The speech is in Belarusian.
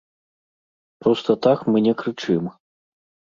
Проста так мы не крычым.